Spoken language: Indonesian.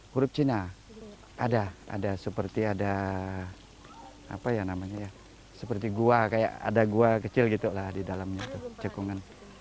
huruf cina ada ada seperti ada apa ya namanya ya seperti gua kayak ada gua kecil gitu lah di dalamnya tuh cekungan